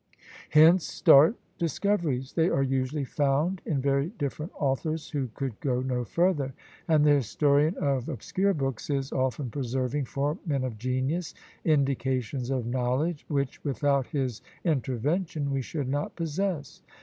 Hints start discoveries: they are usually found in very different authors who could go no further; and the historian of obscure books is often preserving for men of genius indications of knowledge, which without his intervention we should not possess!